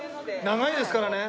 長いですからね！